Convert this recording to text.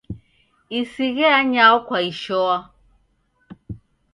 Isighe anyao kwaishoa